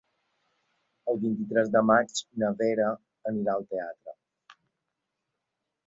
El vint-i-tres de maig na Vera anirà al teatre.